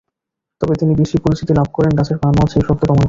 তবে তিনি বেশি পরিচিতি লাভ করেন গাছেরও প্রাণ আছে—এই সত্য প্রমাণ করে।